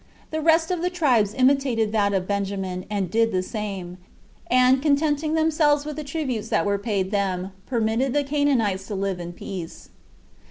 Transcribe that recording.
The rest of the tribes imitated that of Benjamin, and did the same; and, contenting themselves with the tributes that were paid them, permitted the Canaanites to live in peace.